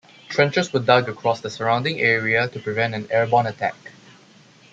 Trenches were dug across the surrounding area to prevent an airborne attack.